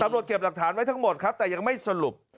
ตำรวจเก็บหลักฐานไว้ทั้งหมดครับแต่ยังไม่สรุป